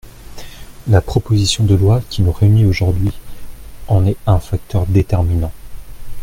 La proposition de loi qui nous réunit aujourd’hui en est un facteur déterminant.